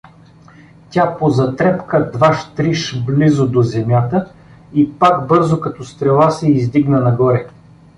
Тя позатрепка дваж-триж близо до земята и пак бързо като стрела се издигна нагоре.